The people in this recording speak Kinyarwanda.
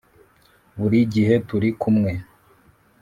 buri gihe turi kumwe